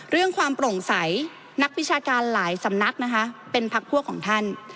เรื่องความโปร่งใสนักวิชาการหลายสำนักนะคะเป็นพักพวกของท่าน